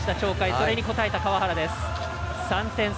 それに応えた川原です。